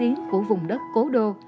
nổi tiếng của vùng đất cố đô